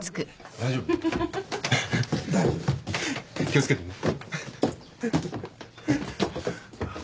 気を付けてよ。